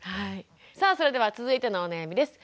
さあそれでは続いてのお悩みです。